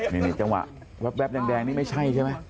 นี่จังหวะแดงนี่ไม่ใช่ใช่มั้ย